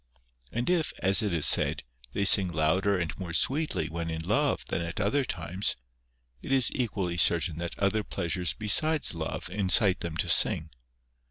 And if, as it is said, they sing louder and more sweetly when in love than at other times, it is equally certain that other pleasures besides love incite them to sing.